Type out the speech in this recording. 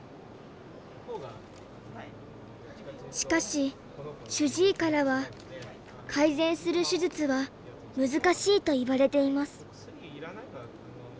しかし主治医からは改善する手術は難しいと言われています。